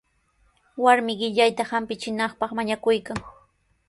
Warmin qillayta hampichinanpaq mañakuykan.